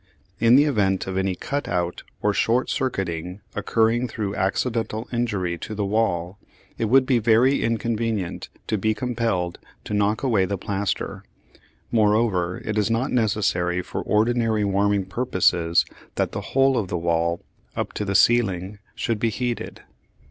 In the event of any "cut out" or "short circuiting" occurring through accidental injury to the wall, it would be very inconvenient to be compelled to knock away the plaster. Moreover, it is not necessary for ordinary warming purposes that the whole of the wall, up to the ceiling, should be heated.